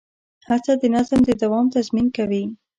هڅه د نظم د دوام تضمین کوي.